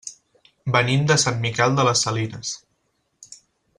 Venim de Sant Miquel de les Salines.